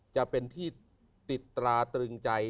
จะเป็นที่ติดตราตรึงใจ